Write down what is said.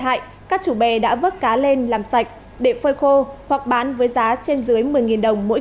hại các chủ bè đã vớt cá lên làm sạch để phơi khô hoặc bán với giá trên dưới một mươi đồng mỗi